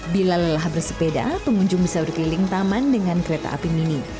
bila lelah bersepeda pengunjung bisa berkeliling taman dengan kereta api mini